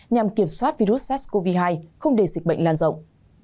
nhằm kiểm soát virus sars cov hai không để dịch bệnh lan rộng